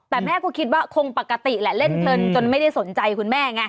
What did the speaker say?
แต่แม่ก็คิดว่าคงปกติแหละเล่นเพลินจนไม่ได้สนใจคุณแม่ไง